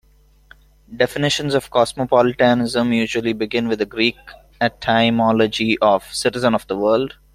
Definitions of cosmopolitanism usually begin with the Greek etymology of "citizen of the world".